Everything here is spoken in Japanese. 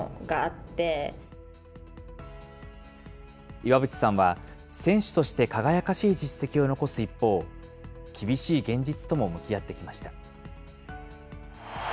岩渕さんは選手として輝かしい実績を残す一方、厳しい現実とも向き合ってきました。